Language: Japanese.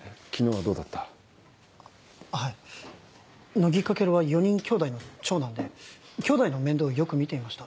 乃木翔は４人きょうだいの長男できょうだいの面倒をよく見ていました。